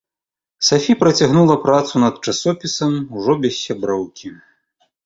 Сафі працягнула працу над часопісам ўжо без сяброўкі.